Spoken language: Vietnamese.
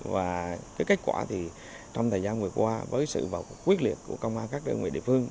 và cái kết quả thì trong thời gian vừa qua với sự vào cuộc quyết liệt của công an các đơn vị địa phương